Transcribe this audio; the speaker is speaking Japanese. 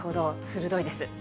鋭いです。